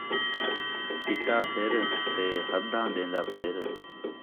چٹا سر تے حداں ݙین٘دا پھِر